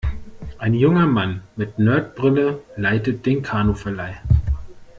Ein junger Mann mit Nerd-Brille leitet den Kanuverleih.